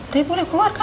tapi boleh keluar kan